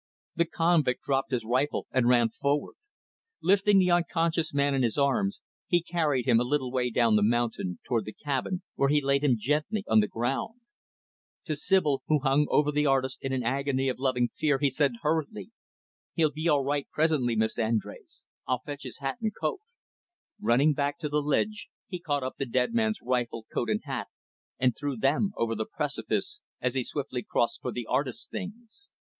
The convict dropped his rifle and ran forward. Lifting the unconscious man in his arms, he carried him a little way down the mountain, toward the cabin; where he laid him gently on the ground. To Sibyl, who hung over the artist in an agony of loving fear, he said hurriedly, "He'll be all right, presently, Miss Andrés. I'll fetch his coat and hat." Running back to the ledge, he caught up the dead man's rifle, coat, and hat, and threw them over the precipice, as he swiftly crossed for the artist's things.